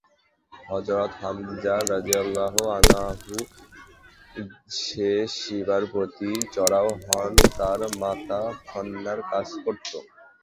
হযরত হামযা রাযিয়াল্লাহু আনহু সে সিবার প্রতি চড়াও হন তার মাতা খৎনার কাজ করত।